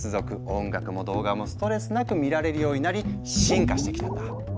音楽も動画もストレスなく見られるようになり進化してきたんだ。